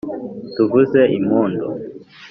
tuvuze impundu